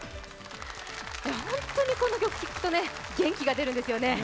本当にこの曲聴くとね元気が出るんですよね。